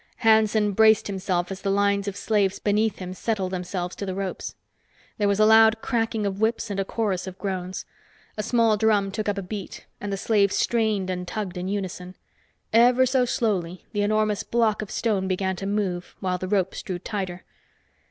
Hanson braced himself as the lines of slaves beneath him settled themselves to the ropes. There was a loud cracking of whips and a chorus of groans. A small drum took up a beat, and the slaves strained and tugged in unison. Ever so slowly, the enormous block of stone began to move, while the ropes drew tighter.